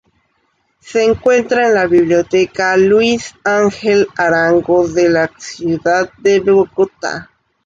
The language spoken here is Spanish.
Se encuentra en la Biblioteca Luis Ángel Arango de la ciudad de Bogotá.